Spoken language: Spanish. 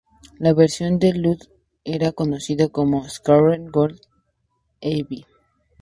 La versión de Ludlow era conocida como "Square Gothic Heavy".